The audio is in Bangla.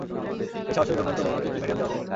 এই সাহসের জন্য তোমাকে কী মেডেল দেয়া যায়?